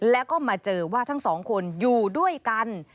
แล้วก็มาเจอว่าทั้งสองคนอยู่ด้วยกัน